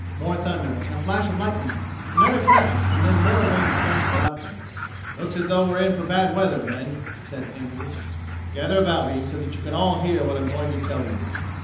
More thunder, and a flash of lightning. Another crash, and more rain splashed about them. "It looks as though we're in for bad weather, men," said Andrews. "Gather about me so that you can all hear what I'm going to tell you."